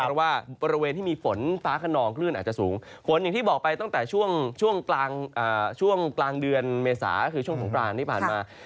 เพราะว่าบริเวณที่มีฝนฟ้าขนองคลื่นอาจจะสูงฝนอย่างที่บอกไปตั้งแต่ช่วงกลางเดือนเมษาก็คือช่วงสงกรานที่ผ่านมา